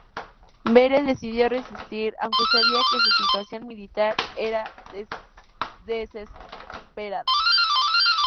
Vere decidió resistir, aunque sabía que su situación militar era desesperada.